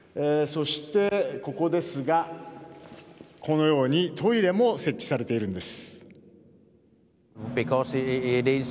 そして、ここですがこのようにトイレも設置されているんです。